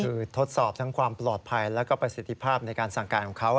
คือทดสอบทั้งความปลอดภัยแล้วก็ประสิทธิภาพในการสั่งการของเขา